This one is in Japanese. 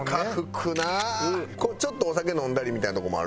ちょっとお酒飲んだりみたいなとこもある？